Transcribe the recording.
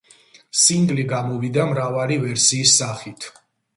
სინგლი გამოვიდა მრავალი ვერსიის სახით.